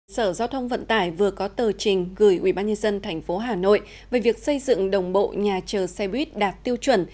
sở giao thông vận tải vừa có tờ trình gửi ubnd tp hà nội về việc xây dựng đồng bộ nhà chờ xe buýt đạt tiêu chuẩn